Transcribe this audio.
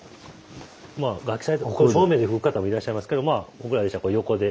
まあ楽器されてこう正面で吹く方もいらっしゃいますけど僕らでしたらこう横で。